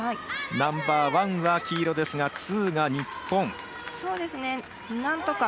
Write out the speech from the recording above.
ナンバーワンは黄色ですがツーは日本。